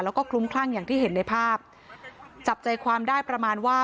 แล้วก็คลุ้มคลั่งอย่างที่เห็นในภาพจับใจความได้ประมาณว่า